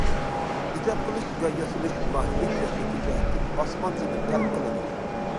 ئىجاد قىلىش ۋە ياسىلىش ماھىيەت ۋە شەكىل جەھەتتىن ئاسمان- زېمىن پەرق قىلىدۇ.